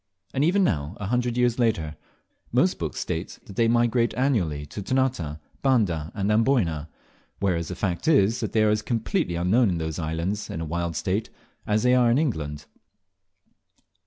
And even now, a hundred years later, most books state that they migrate annually to Ternate, Banda, and Amboyna; whereas the fact is, that they are as completely unknown in those islands in a wild state as they are in England.